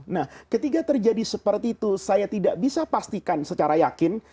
nah ketika terjadi seperti itu saya tidak bisa pastikan secara yakin